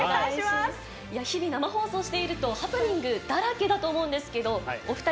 日々、生放送しているとハプニングだらけだと思うんですけど、お２人、